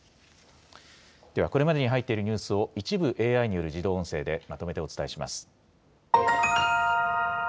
では、これまでに入っているニュースを、一部ＡＩによる自動音声でまとめてお伝えします。